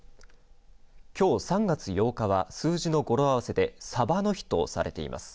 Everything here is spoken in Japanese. きょう３月８日は数字の語呂合わせでさばの日とされています。